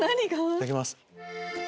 いただきます。